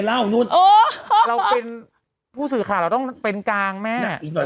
เล่านู้นโอ้เราเป็นผู้สื่อขาเราต้องเป็นกางแม่อีกหน่อย